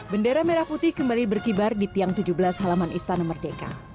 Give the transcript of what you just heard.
bendera merah putih kembali berkibar di tiang tujuh belas halaman istana merdeka